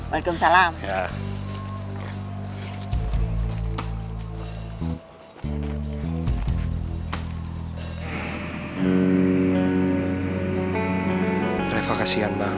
lagi deh assalamualaikum